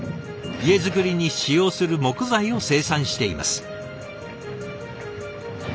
家造りに使用する木材を生産しています。